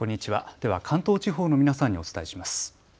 では関東地方の皆さんにお伝えします。